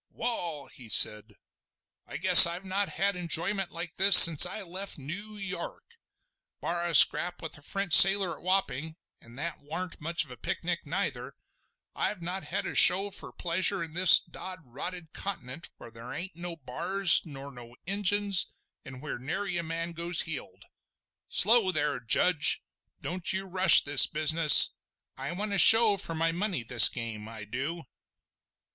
"Wall!" he said, "I guess I've not had enjoyment like this since I left Noo York. Bar a scrap with a French sailor at Wapping—an' that warn't much of a picnic neither—I've not had a show fur real pleasure in this dod rotted Continent, where there ain't no b'ars nor no Injuns, an' wheer nary man goes heeled. Slow there, Judge! Don't you rush this business! I want a show for my money this game—I du!"